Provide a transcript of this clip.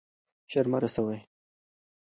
شر مه رسوئ.